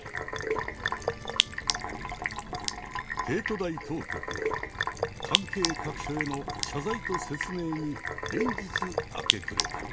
帝都大当局は関係各所への謝罪と説明に連日明け暮れた。